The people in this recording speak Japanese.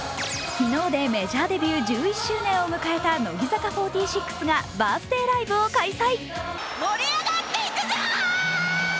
昨日でメジャーデビュー１１周年を迎えた乃木坂４６がバースデーライブを開催。